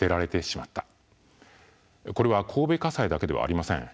これは神戸家裁だけではありません。